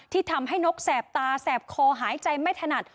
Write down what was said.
ที่ทำให้นกแสบตาแสบคอหายใจไม่ถนัด